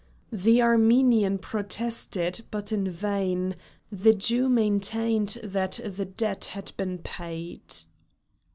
The Armenian protested, but in vain; the Jew maintained that the debt had been paid.